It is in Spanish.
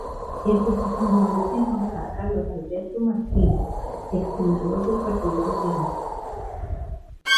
Entre sus fundadores se encontraba Carlos Alberto Martínez, exsenador del Partido Socialista.